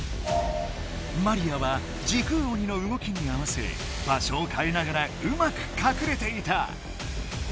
マリアは時空鬼のうごきに合わせばしょをかえながらうまくかくれていた。